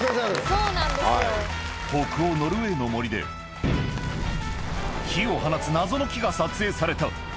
北欧ノルウェーの森で、火を放つ謎の木が撮影された。